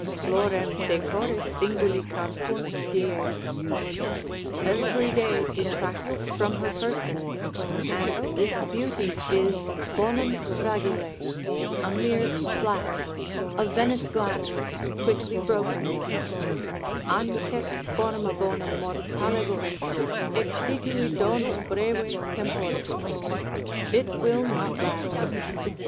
Florem decoris singuli carpunt dies: Every day detracts from her person, and this beauty is bonum fragile, a mere flash, a Venice glass, quickly broken, Anceps forma bonum mortalibus, ———exigui donum breve temporis, it will not last.